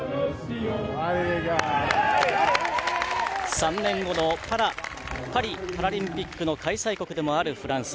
３年後のパリパラリンピックの開催国でもあるフランス。